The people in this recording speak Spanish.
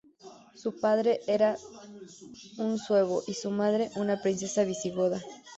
Su padre era un suevo y su madre una princesa visigoda.